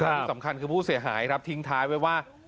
ที่สำคัญคือผู้เสียหายครับทิ้งท้ายไว้ว่า